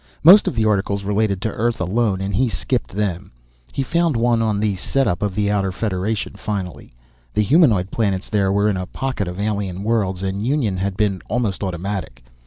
Most of the articles related to Earth alone, and he skipped them. He found one on the set up of the Outer Federation finally. The humanoid planets there were in a pocket of alien worlds, and union had been almost automatic.